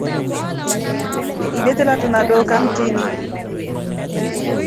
Ibete latona dokaa ya mti.